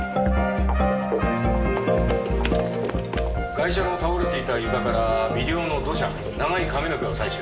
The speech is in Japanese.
ガイシャの倒れていた床から微量の土砂長い髪の毛を採取。